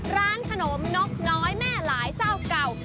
ร้านขนมนกน้อยแม่หลายเจ้าเก่า